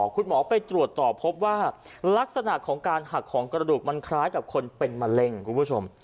คุณหมอไปตรวจต่อพบว่าลักษณะของการหักของกระดูกมันคล้ายกับคนเป็นมะเร็งคุณผู้ชม